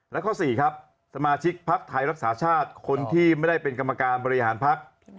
และ๔สมาชิกพักษมณ์ไทยรักษาชาติคนที่ไม่ได้เป็นกรรมการบริหารพักษมณ์